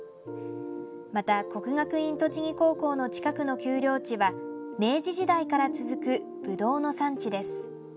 また、国学院栃木高校の近くの丘陵地は明治時代から続くぶどうの産地です。